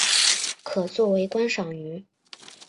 可做为观赏鱼。